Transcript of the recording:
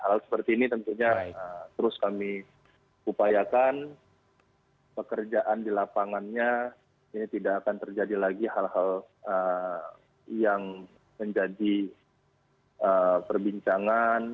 hal seperti ini tentunya terus kami upayakan pekerjaan di lapangannya ini tidak akan terjadi lagi hal hal yang menjadi perbincangan